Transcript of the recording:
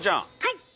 はい！